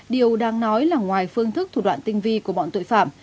điều đang nói là ngoài phương thức thủ đoạn tinh vi của bọn tội phạm